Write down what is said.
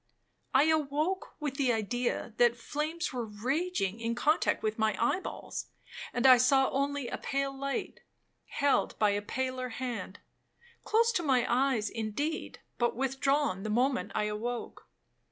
I awoke with the idea that flames were raging in contact with my eye balls, and I saw only a pale light, held by a paler hand—close to my eyes indeed, but withdrawn the moment I awoke.